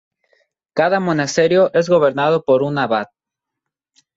Cada monasterio es gobernado por una abad.